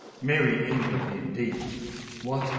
Merry England, indeed! What?